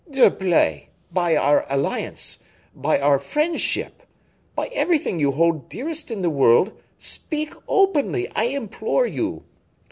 "D'Herblay, by our alliance, by our friendship, by everything you hold dearest in the world, speak openly, I implore you.